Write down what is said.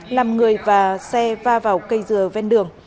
làm người và xe va vào cây dừa ven đường